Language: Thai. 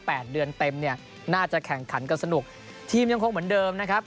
แปดเดือนเต็มเนี่ยน่าจะแข่งขันกันสนุกทีมยังคงเหมือนเดิมนะครับ